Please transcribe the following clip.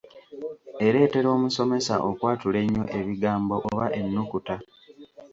Ereetera omusomesa okwatula ennyo ebigambo oba ennukuta.